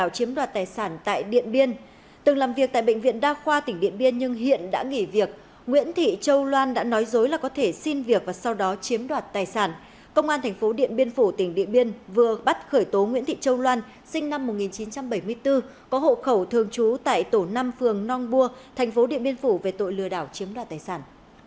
công an tp điện biên phủ tỉnh địa biên vừa bắt khởi tố nguyễn thị châu loan sinh năm một nghìn chín trăm bảy mươi bốn có hộ khẩu thường trú tại tổ năm phường nong bua tp điện biên phủ về tội lừa đảo chiếm đoạt tài sản